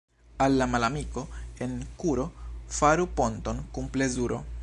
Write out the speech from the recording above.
Al la malamiko en kuro faru ponton kun plezuro.